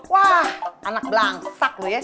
wah anak belangsak loh ya